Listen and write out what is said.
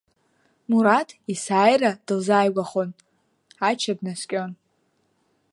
Мураҭ есааира дылзааигәахон, Ача днаскьон.